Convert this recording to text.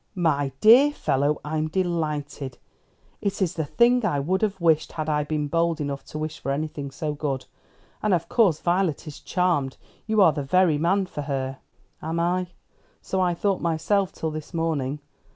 "My dear fellow, I'm delighted. It is the thing I would have wished, had I been bold enough to wish for anything so good. And of course Violet is charmed. You are the very man for her." "Am I? So I thought myself till this morning.